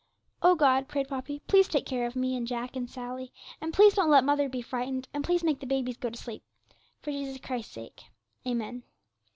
'O God,' prayed Poppy, 'please take care of me, and Jack, and Sally, and please don't let mother be frightened, and please make the babies go to sleep; for Jesus Christ's sake. Amen.'